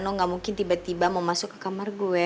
no gak mungkin tiba tiba mau masuk ke kamar gue